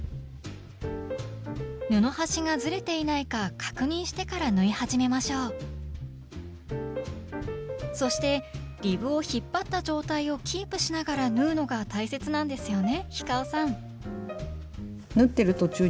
布端がずれていないか確認してから縫い始めましょうそしてリブを引っ張った状態をキープしながら縫うのが大切なんですよね？